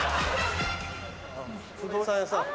不動産屋さん。